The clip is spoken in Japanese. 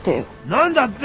何だって？